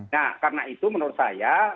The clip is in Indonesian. nah karena itu menurut saya